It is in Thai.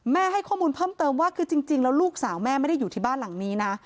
ให้ข้อมูลเพิ่มเติมว่าคือจริงแล้วลูกสาวแม่ไม่ได้อยู่ที่บ้านหลังนี้นะ